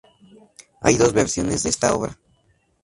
Hay dos versiones de esta obra.